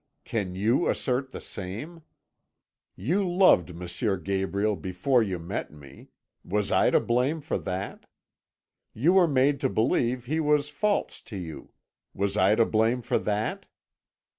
Can you assert the same? You loved M. Gabriel before you met me was I to blame for that? You were made to believe he was false to you was I to blame for that?